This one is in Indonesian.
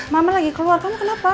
mama lagi keluar karena kenapa